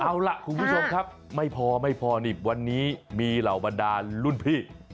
เอาล่ะคุณผู้ชมครับไม่พอไม่พอนี่วันนี้มีเหล่าบรรดารุ่นพี่